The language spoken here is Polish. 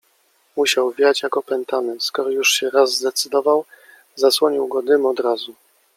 - Musiał wiać jak opętany, skoro już się raz zdecydował. Zasłonił go dym od razu.